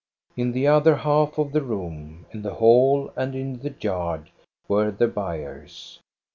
In the other half of the room, in the hall, and in the yard were the buyers.